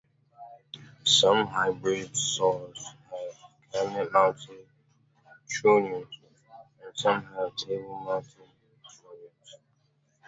Some hybrid saws have cabinet-mounted trunnions and some have table-mounted trunnions.